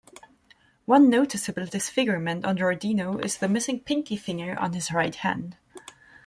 One noticeable disfigurement on Giordino is the missing pinky finger on his right hand.